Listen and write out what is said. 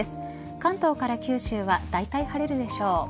関東から九州はだいたい晴れるでしょう。